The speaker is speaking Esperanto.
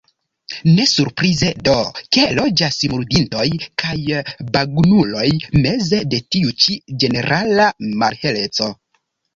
Ne surprize do, ke loĝas murdintoj kaj bagnuloj meze de tiu ĉi ĝenerala malheleco.